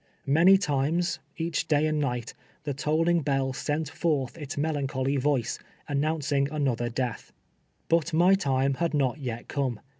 Many times, each day and night, the tolling bell sent forth its melan choly voice, announcing another death. But my time had not yet come.